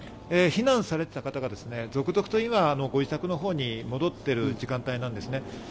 避難されていた方が続々と今、ご自宅のほうに戻っている時間帯なんですね。